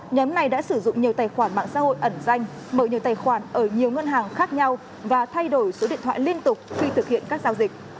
nhóm này đã sử dụng nhiều tài khoản mạng xã hội ẩn danh mở nhiều tài khoản ở nhiều ngân hàng khác nhau và thay đổi số điện thoại liên tục khi thực hiện các giao dịch